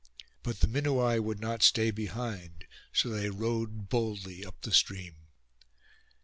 But the Minuai would not stay behind, so they rowed boldly up the stream.